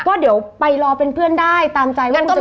ก็เดี๋ยวไปรอเป็นเพื่อนได้ตามใจว่าคุณจะกินอะไร